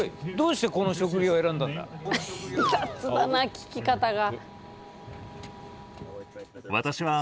雑だな聞き方が。